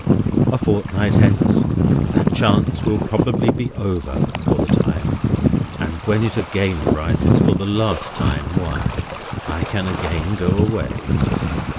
A fortnight hence, that chance will probably be over, for the time; and when it again arises for the last time, why, I can again go away.